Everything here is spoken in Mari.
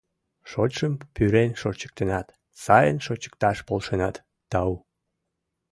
Шочшым пӱрен шочыктенат, сайын шочыкташ полшенат, тау!